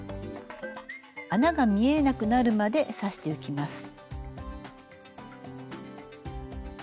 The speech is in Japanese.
穴が見えなくなるまで刺していきます。